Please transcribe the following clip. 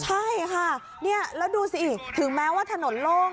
ใช่ค่ะนี่แล้วดูสิถึงแม้ว่าถนนโล่ง